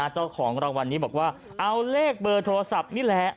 เจ้าของรางวัลนี้บอกว่าเอาเลขเบอร์โทรศัพท์นี่แหละ